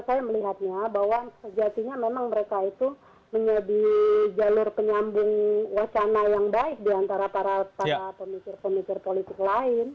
saya melihatnya bahwa sejatinya memang mereka itu menjadi jalur penyambung wacana yang baik diantara para pemikir pemikir politik lain